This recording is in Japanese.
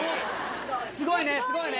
すごいねすごいね。